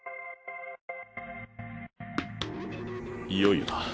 いよいよだ。